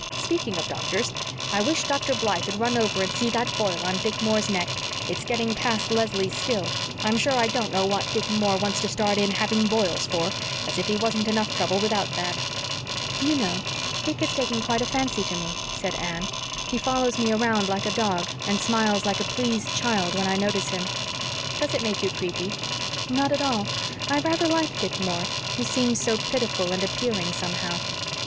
Speaking of doctors, I wish Dr. Blythe'd run over and see to that boil on Dick Moore's neck. It's getting past Leslie's skill. I'm sure I don't know what Dick Moore wants to start in having boils for as if he wasn't enough trouble without that!" "Do you know, Dick has taken quite a fancy to me," said Anne. "He follows me round like a dog, and smiles like a pleased child when I notice him." "Does it make you creepy?" "Not at all. I rather like poor Dick Moore. He seems so pitiful and appealing, somehow."